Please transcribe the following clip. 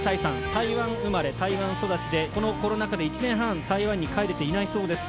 台湾生まれ台湾育ちでこのコロナ禍で１年半台湾に帰れていないそうです。